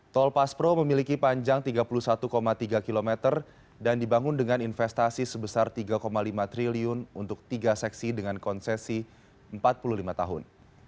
tol paspro memiliki panjang tiga puluh satu tiga km dan dibangun dengan investasi sebesar tiga lima triliun untuk tiga seksi dengan konsesi empat puluh lima tahun